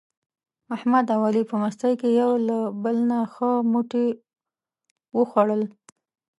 احمد او علي په مستۍ کې یو له بل نه ښه موټي و خوړل.